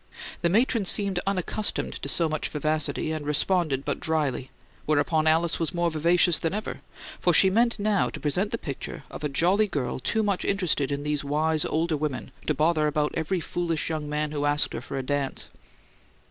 The matron seemed unaccustomed to so much vivacity, and responded but dryly, whereupon Alice was more vivacious than ever; for she meant now to present the picture of a jolly girl too much interested in these wise older women to bother about every foolish young man who asked her for a dance.